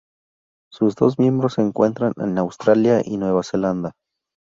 Sus dos miembros se encuentran en Australia y Nueva Zelanda.